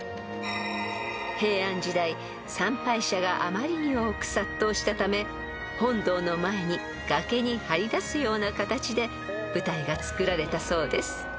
［平安時代参拝者があまりに多く殺到したため本堂の前に崖に張り出すような形で舞台が造られたそうです］